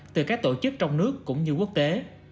từ các tổ chức trong nước cũng như quốc tế